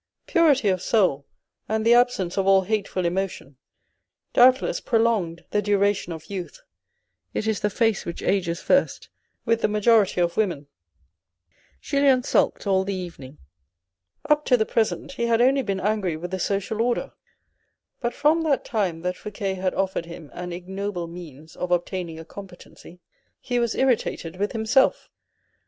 Purity of soul, and the abseuce of all hateful emotion, doubtless prolong the duration of youth. It is the face which ages first with the majority of women. Julien sulked all the evening. Up to the present he had only been angry with the social order, but from that time that Fouque had offered him an ignoble means of obtaining a competency, he was irritated with himself.